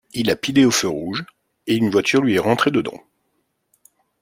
Il a pilé au feu rouge, et une voiture lui est rentré dedans.